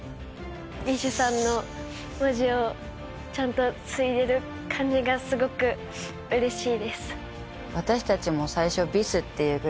ＢｉＳＨさんの文字をちゃんと継いでる感じがすごくうれしいです。